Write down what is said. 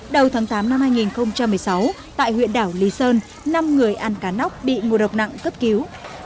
đầu tháng tám năm hai nghìn một mươi sáu tại huyện đảo lý sơn năm người ăn cá nóc bị ngộ độc nặng cấp cứu